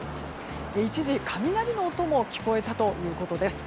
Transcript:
一時、雷の音も聞こえたということです。